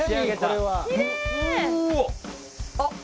あっ。